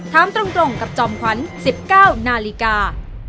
ถามตรงกับจอมขวัญ๑๙นาฬิกา